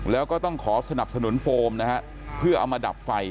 แล้วก็ต้องขอสนับสนุนโฟมนะฮะเพื่อเอามาดับไฟ